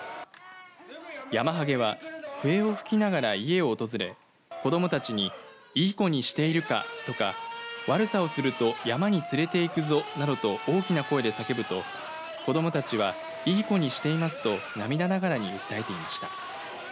ヤマハゲは笛を吹きながら家を訪れ子どもたちにいい子にしてるかとか悪さをすると山に連れて行くぞなどと大きな声で叫ぶと子どもたちはいい子にしていますと涙ながらに訴えていました。